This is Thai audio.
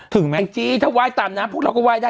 ถึงมั้ยจริงจริงถ้าไหว้ต่ำน้ำพวกเราก็ไหว้ได้